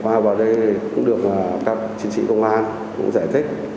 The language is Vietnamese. qua vào đây cũng được các chính sĩ công an cũng giải thích